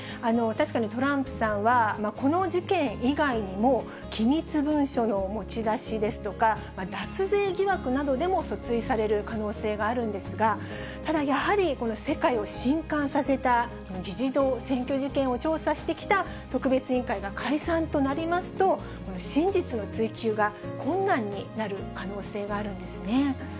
確かにトランプさんは、この事件以外にも、機密文書の持ち出しですとか、脱税疑惑などでも訴追される可能性があるんですが、ただ、やはり世界を震撼させた、議事堂占拠事件を調査してきた特別委員会が解散となりますと、真実の追求が困難になる可能性があるんですね。